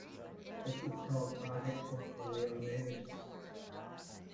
This is called Project Portfolio Management.